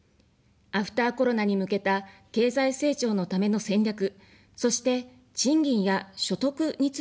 アフターコロナに向けた経済成長のための戦略、そして、賃金や所得についてはどうでしょうか。